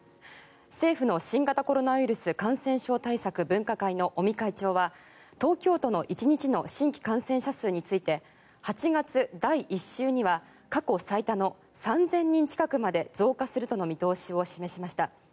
政府の新型コロナウイルス感染症対策分科会の尾身会長は、東京都の１日の新規感染者数について８月第１週には過去最多の３０００人近くまで増加するとの見通しを示しました。